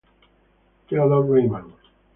Theodor Reimann